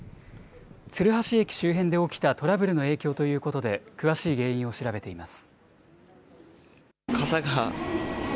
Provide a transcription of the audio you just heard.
鶴橋駅周辺で起きたトラブルの影響ということで、詳しい原因を調べています。